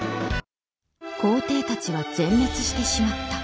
皇帝たちは全滅してしまった。